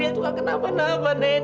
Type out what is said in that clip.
ya itu enggak kenapa napa nen